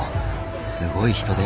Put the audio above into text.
すごい人出！